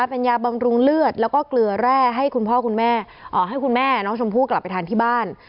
เป็นยาบำรุงเลือดแล้วก็เกลือแร่ให้คุณพ่อคุณแม่ให้คุณแม่น้องชมพู่กลับไปทานที่บ้าน